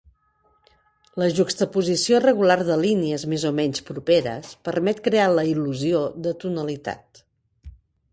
La juxtaposició regular de línies més o menys properes permet crear la il·lusió de tonalitat.